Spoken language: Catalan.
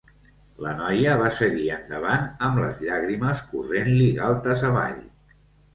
La noia va seguir endavant amb les llàgrimes corrent-li galtes avall.